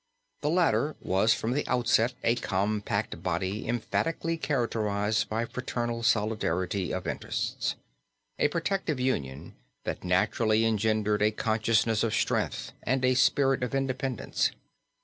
The latter was from the outset a compact body emphatically characterized by fraternal solidarity of interests, a protective union that naturally engendered a consciousness of strength and a spirit of independence.